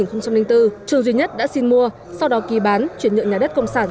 trong hai năm hai nghìn ba hai nghìn bốn trường duy nhất đã xin mua sau đó kỳ bán chuyển nhượng nhà đất công sản